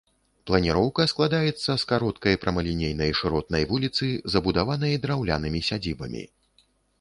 Планіроўка складаецца з кароткай прамалінейнай шыротнай вуліцы, забудаванай драўлянымі сядзібамі.